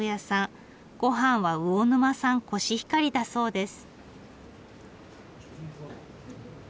御飯は魚沼産コシヒカリだそうです。